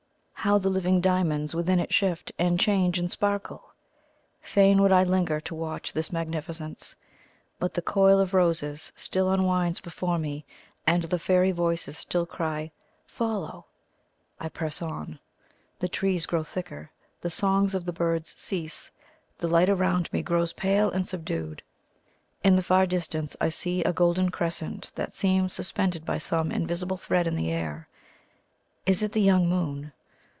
How the living diamonds within it shift, and change, and sparkle! Fain would I linger to watch this magnificence; but the coil of roses still unwinds before me, and the fairy voices still cry, "FOLLOW!" I press on. The trees grow thicker; the songs of the birds cease; the light around me grows pale and subdued. In the far distance I see a golden crescent that seems suspended by some invisible thread in the air. Is it the young moon?